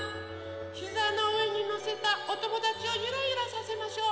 ひざのうえにのせたおともだちをゆらゆらさせましょう。